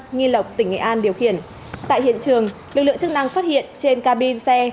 nghi lộc tỉnh nghệ an điều khiển tại hiện trường lực lượng chức năng phát hiện trên cabin xe